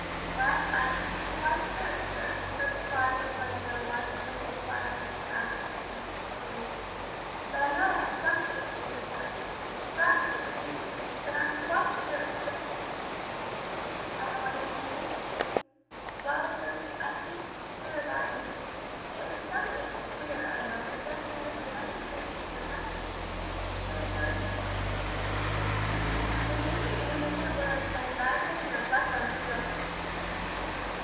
"Well, I ain't quite sure, sir," replied the little plain one, with an inquiring frown at the chandelier, "but I know it 'ad somethink to do with cats. P'r'aps it was Mew Street; but I'm quite sure it was Pimlico." "And the lady's name?" "Well, sir, I ain't sure of that neither. It was somethink queer, I know, but then there's a many queer names in London ain't, there, sir?" Sir James admitted that there were, and advised her to reflect on a few of them.